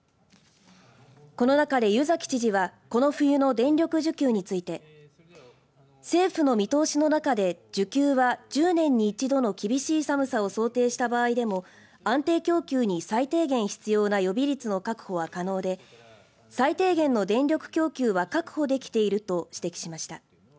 この中で湯崎知事はこの冬の電力需給について政府の見通しの中で需給は１０年に一度の厳しい寒さを想定した場合でも安定供給に最低限必要な予備率の確保は可能で最低限の電力供給は確保できていると指摘しました。